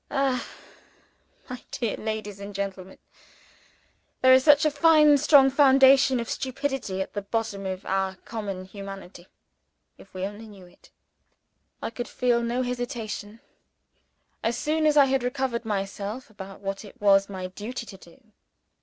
Ah, my dear ladies and gentlemen, there is such a fine strong foundation of stupidity at the bottom of our common humanity if we only knew it! I could feel no hesitation as soon as I had recovered myself about what it was my duty to do.